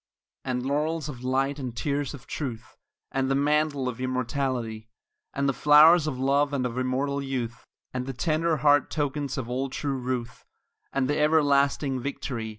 VII And laurels of light, and tears of truth, And the mantle of immortality; And the flowers of love and of immortal youth, And the tender heart tokens of all true ruth And the everlasting victory!